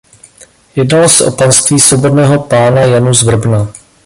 Jednalo se o panství svobodného pána Janu z Vrbna.